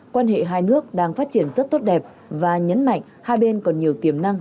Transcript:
quan hệ hai nước đang phát triển rất tốt đẹp và nhấn mạnh hai bên còn nhiều tiềm năng